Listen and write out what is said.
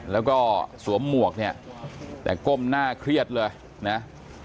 แล้วก็สวมหมวกเนี่ยแต่ก้มหน้าเครียดเลยนะ